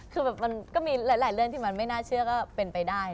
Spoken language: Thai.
คือแบบมันก็มีหลายเรื่องที่มันไม่น่าเชื่อก็เป็นไปได้